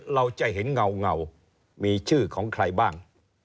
เราจะเห็นเงามีชื่อของใครบ้าง